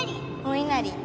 おいなり？